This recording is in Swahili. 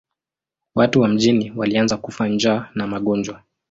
Watu wa mjini walianza kufa njaa na magonjwa.